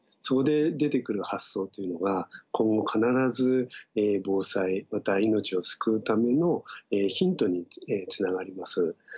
そこで出てくる発想っていうのが今後必ず防災また命を救うためのヒントにつながります。